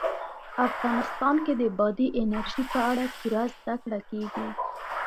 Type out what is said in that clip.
افغانستان کې د بادي انرژي په اړه پوره زده کړه کېږي.